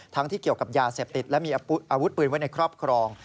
ที่เกี่ยวกับยาเสพติดและมีอาวุธปืนไว้ในครอบครอง